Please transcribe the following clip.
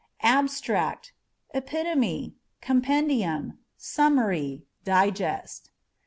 Abstract â€" epitome, compendium, summary, digest.